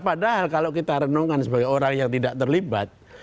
padahal kalau kita renungkan sebagai orang yang tidak terlibat